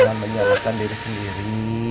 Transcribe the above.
jangan menyerahkan diri sendiri